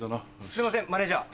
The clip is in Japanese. すいませんマネジャー。